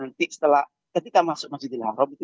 jadi usahakan membawa kantong sandal atau pilihan